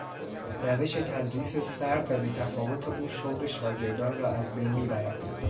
روش تدریس سرد و بیتفاوت او شوق شاگردان را از بین میبرد.